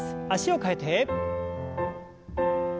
脚を替えて。